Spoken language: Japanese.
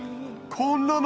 こんなの。